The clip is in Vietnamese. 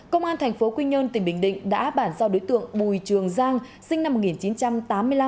công an tp quy nhơn tỉnh bình định đã bản giao đối tượng bùi trường giang sinh năm một nghìn chín trăm tám mươi năm